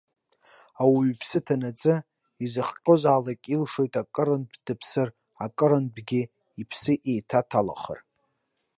Ауаҩы иԥсы ҭанаҵы, изыхҟьозаалак, иалшоит акырынтә дыԥсыр, акырынтәгьы иԥсы еиҭаҭалахыр.